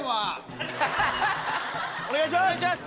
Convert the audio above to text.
お願いします！